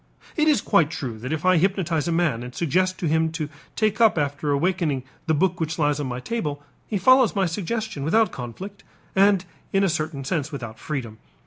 It is quite true that if I hypnotize a man and suggest to him to take up after awaking the book which lies on my table, he follows my suggestion without conflict and in a certain sense without freedom.